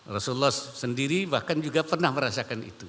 rasulullah sendiri bahkan juga pernah merasakan itu